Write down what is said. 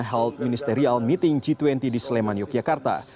health ministerial meeting g dua puluh di sleman yogyakarta